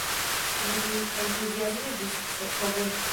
Mi tuj entuziasmiĝis; sed, ho ve!